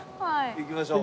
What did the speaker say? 行きましょう。